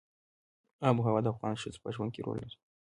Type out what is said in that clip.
آب وهوا د افغان ښځو په ژوند کې رول لري.